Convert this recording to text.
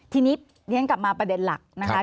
ทีนี้เรียนกลับมาประเด็นหลักนะคะ